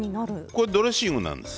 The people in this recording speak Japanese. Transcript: これドレッシングなんです。